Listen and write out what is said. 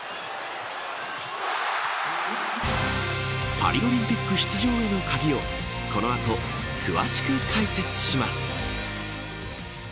パリオリンピック出場への鍵をこの後詳しく解説します。